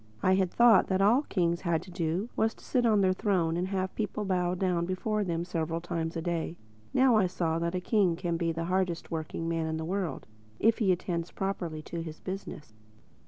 I had thought that all that kings had to do was to sit on a throne and have people bow down before them several times a day. I now saw that a king can be the hardest working man in the world—if he attends properly to his business.